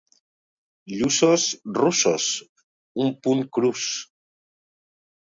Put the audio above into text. Lluços russos, un punt crus.